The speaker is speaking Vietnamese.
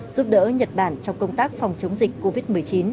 giúp đỡ nhật bản trong công tác phòng chống dịch covid một mươi chín